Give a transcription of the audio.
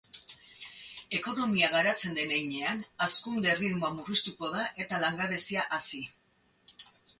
Ekonomia garatzen den heinean, hazkunde erritmoa murriztuko da eta langabezia hazi.